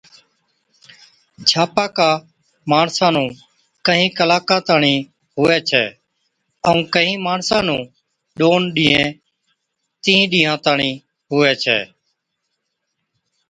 ڇاپاڪا ماڻسا نُون ڪهِين ڪِلاڪان تاڻِين هُوَي ڇَي، ائُون ڪهِين ماڻسا نُون ڏُونه تِينهِين ڏِينهان تاڻِين هُوَي ڇَي،